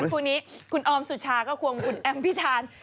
คูณออมสุชาร์ก็ควงอุณแอมพิธาน